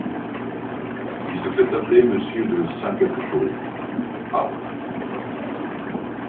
Il se fait appeler monsieur de Saint-quelque chose... — Ah!